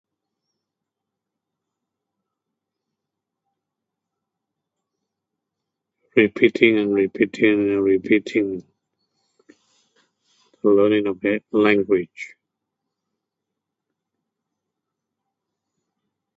repeating and repeating and repeating learning a bad language.